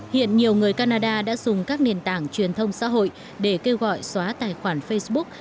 hiện nhiều người canada đã dùng các nền tảng truyền thông xã hội để kêu gọi xóa tài khoản facebook